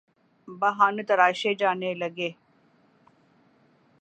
بہانے تراشے جانے لگے۔